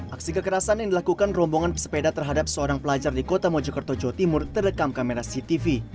aksi kekerasan yang dilakukan rombongan pesepeda terhadap seorang pelajar di kota mojokerto jawa timur terekam kamera cctv